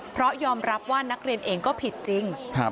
เพราะยอมรับว่านักเรียนเองก็ผิดจริง